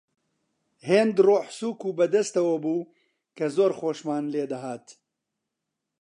هێند ڕۆحسووک و بە دەستەوە بوو کە زۆر خۆشمان لێ دەهات